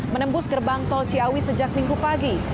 menembus gerbang tol ciawi sejak minggu pagi